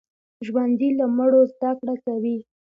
ژوندي له مړو زده کړه کوي